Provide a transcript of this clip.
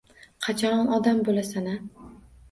Qachon odam bo’lasan-a!?